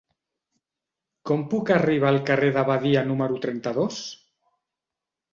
Com puc arribar al carrer de Badia número trenta-dos?